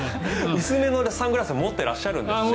薄めのサングラスも持っていらっしゃるんですね。